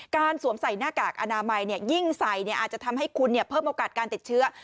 สวมใส่หน้ากากอนามัยยิ่งใส่อาจจะทำให้คุณเพิ่มโอกาสการติดเชื้อ